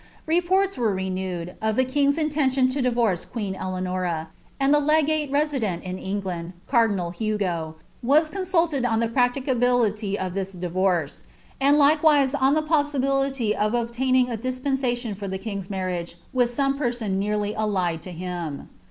Reports were renewed, of the king's intention lodi*a«ee queen Eleanora; and the legate resident in England, cardinal Hugo, vaa conaidted on the practicabdily of this divorce, and likewise m ihs poasibtlity of obtaining a dispensation for the king's marriage nth some person nearly allied to him.'